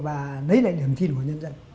và lấy lại điểm thi đổi nhân dân